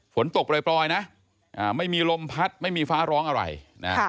ฝนตกปล่อยปล่อยนะอ่าไม่มีลมพัดไม่มีฟ้าร้องอะไรค่ะ